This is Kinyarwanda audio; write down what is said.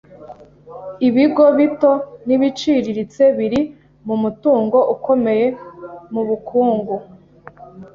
Ibigo bito n'ibiciriritse biri mu mutungo ukomeye mu bukungu